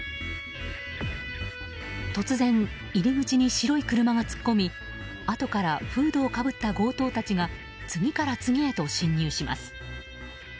突然、入り口に白い車が突っ込みあとからフードをかぶった強盗たちが次から次へと侵入します。